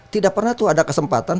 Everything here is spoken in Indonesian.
tidak pernah tuh ada kesempatan